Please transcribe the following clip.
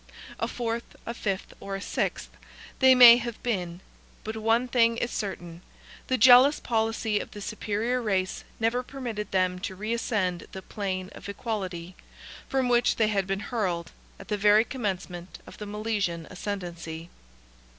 A fourth, a fifth, or a sixth, they may have been; but one thing is certain, the jealous policy of the superior race never permitted them to reascend the plane of equality, from which they had been hurled, at the very commencement of the Milesian ascendency.